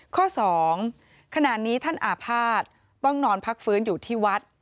ข้อ๒ขณะนี้ท่านอาภาษณ์ต้องนอนพักฟื้นอยู่ที่วัด